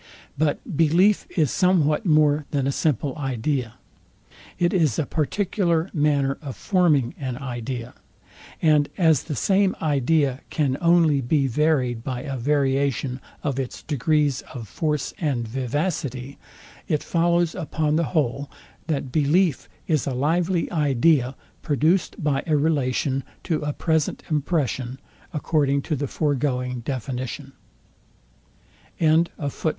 But belief is somewhat more than a simple idea. It is a particular manner of forming an idea: And as the same idea can only be varyed by a variation of its degrees of force and vivacity; it follows upon the whole, that belief is a lively idea produced by a relation to a present impression, according to the foregoing definition.